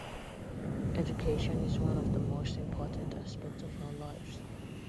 Education is one of the most important aspects of our lives.